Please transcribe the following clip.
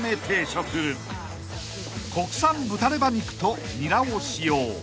［国産豚レバ肉とニラを使用］